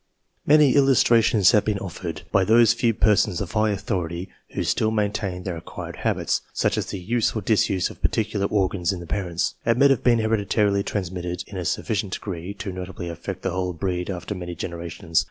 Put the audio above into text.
Many illustrations have been offered, by those few per sons of high authority who still maintain that acquired habits, such as the use or disuse of particular organs in the parents, admit of being hereditarily transmitted in a sufficient degree to notably affect the whole breed after many generations.